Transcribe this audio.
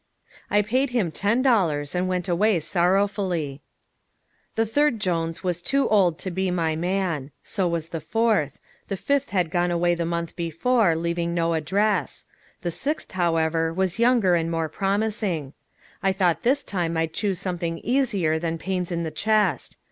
I paid him ten dollars and went sorrowfully away. The third Jones was too old to be my man; so was the fourth; the fifth had gone away the month before, leaving no address; the sixth, however, was younger and more promising. I thought this time I'd choose something easier than pains in the chest.